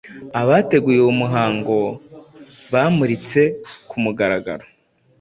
Abateguye uwo muhango bamuritse ku mugaragaro